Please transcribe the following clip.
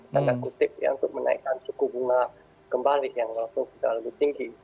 tanda kutip ya untuk menaikkan suku bunga kembali yang langsung secara lebih tinggi